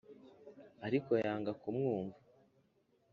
Ariko yanga kumwumva.